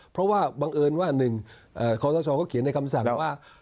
เพราะว่าบังเอิญว่า๑คอสชเขาเขียนในคำสั่งว่า